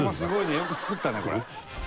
よく作ったねこれ。